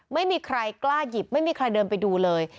ไม่มีใครกล้าหยิบไม่มีใครเดินไปดูเลย